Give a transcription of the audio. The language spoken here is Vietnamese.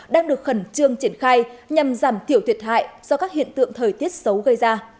đang được khẩn trương triển khai nhằm giảm thiểu thiệt hại do các hiện tượng thời tiết xấu gây ra